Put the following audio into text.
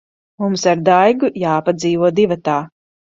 Mums ar Daigu jāpadzīvo divatā.